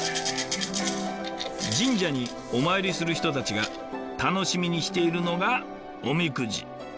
神社にお参りする人たちが楽しみにしているのがおみくじ。